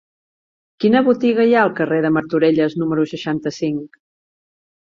Quina botiga hi ha al carrer de Martorelles número seixanta-cinc?